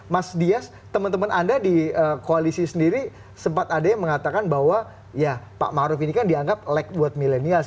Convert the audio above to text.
mas dias teman teman anda di koalisi sendiri sempat ada yang mengatakan bahwa ya pak maruf ini kan dianggap lag buat milenial